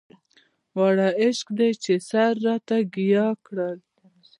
واړه عشق دی چې يې سر راته ګياه کړ.